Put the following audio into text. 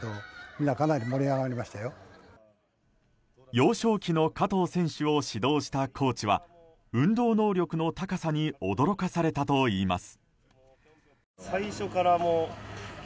幼少期の加藤選手を指導したコーチは運動能力の高さに驚かされたといいます。